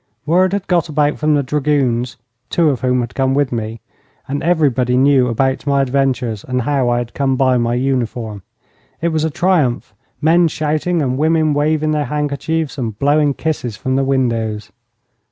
Word had got about from the dragoons (two of whom had come with me), and everybody knew about my adventures and how I had come by my uniform. It was a triumph men shouting and women waving their handkerchiefs and blowing kisses from the windows.